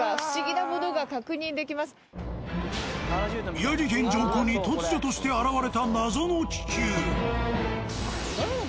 宮城県上空に突如として現れた